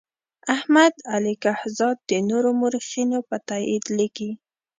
احمد علي کهزاد د نورو مورخینو په تایید لیکي.